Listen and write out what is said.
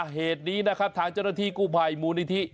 เหตุนี้ทางเจ้าหน้าที่กุภัยมูลนิทธิ